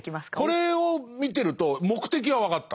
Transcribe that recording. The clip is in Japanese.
これを見てると目的は分かった。